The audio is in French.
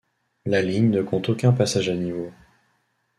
La ligne ne compte aucun passage à niveau.